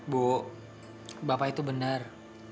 bu bapak itu benar